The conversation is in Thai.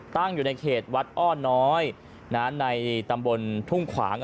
ตั้งอยู่ในเขตวัดอ้อน้อยในตำบลทุ่งขวาง